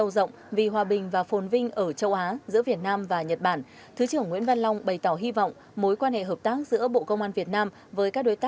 đóng góp tích cực hiệu quả thúc đẩy mối quan hệ giữa bộ công an việt nam với zika